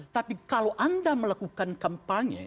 tapi kalau anda melakukan kampanye